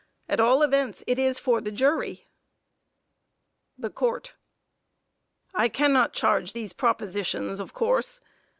At all events it is for the jury. THE COURT: I cannot charge these propositions of course.